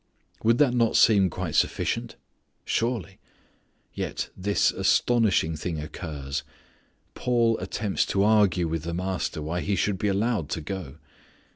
Would that not seem quite sufficient? Surely. Yet this astonishing thing occurs: Paul attempts to argue with the Master why he should be allowed to go.